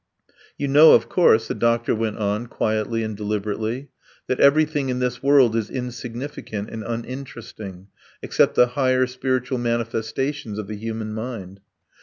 "You know, of course," the doctor went on quietly and deliberately, "that everything in this world is insignificant and uninteresting except the higher spiritual manifestations of the human mind.